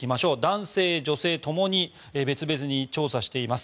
男性、女性共に別々に調査しています。